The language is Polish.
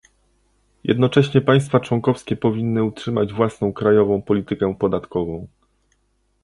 Jednocześnie państwa członkowskie powinny utrzymać własną krajową politykę podatkową